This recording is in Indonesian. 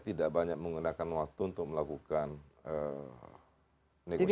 tidak banyak menggunakan waktu untuk melakukan negosiasi